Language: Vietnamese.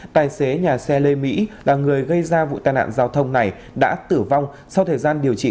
tài xế nhà xe lê mỹ là người gây ra vụ tai nạn giao thông này đã tử vong sau thời gian điều trị